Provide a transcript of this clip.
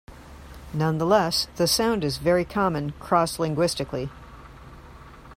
Nonetheless, the sound is very common cross-linguistically.